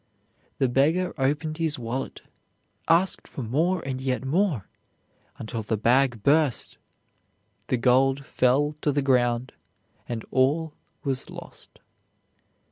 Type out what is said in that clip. The beggar opened his wallet, asked for more and yet more, until the bag burst. The gold fell to the ground, and all was lost.